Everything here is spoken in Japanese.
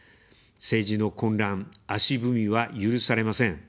政治の混乱、足踏みは許されません。